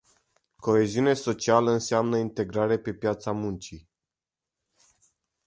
Coeziune socială înseamnă integrare pe piața muncii.